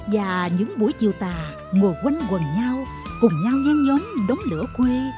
và những buổi chiều tà ngồi quanh quần nhau cùng nhau nhanh nhón đóng lửa quê